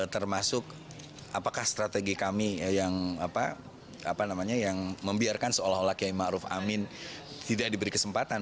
termasuk apakah strategi kami yang membiarkan seolah olah kaya maruf amin tidak diberi kesempatan